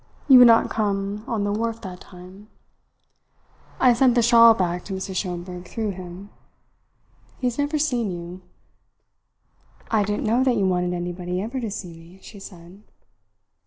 You would not come on the wharf that time I sent the shawl back to Mrs. Schomberg through him. He has never seen you." "I didn't know that you wanted anybody ever to see me," she said.